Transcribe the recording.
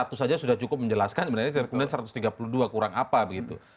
satu saja sudah cukup menjelaskan sebenarnya satu ratus tiga puluh dua kurang apa begitu